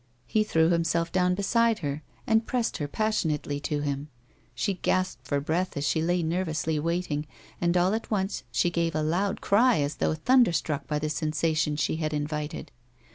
He threw himself doAvn beside her, and pressed her passionately to him ; she gasped for breath as she lay nervously waiting, and all at once she gave a loud cry as though tliunder struck by the sensation she had invited.